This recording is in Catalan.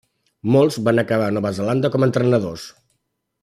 Molts van acabar a Nova Zelanda com a entrenadors.